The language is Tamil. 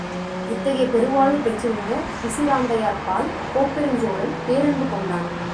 இத்தகைய பெருவாழ்வு பெற்றிருந்த பிசிராந்தையார்பால், கோப்பெருஞ் சோழன் பேரன்பு கொண்டான்.